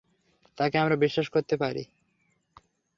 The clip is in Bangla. তাকে আমরা বিশ্বাস করতে পারি?